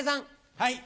はい。